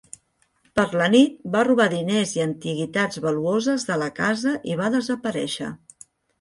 Per la nit va robar diners i antiguitats valuoses de la casa i va desaparèixer.